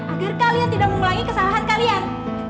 agar kalian tidak mengulangi kesalahan kalian